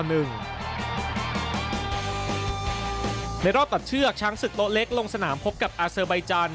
ในรอบตัดเชือกช้างศึกโต๊ะเล็กลงสนามพบกับอาเซอร์ใบจันท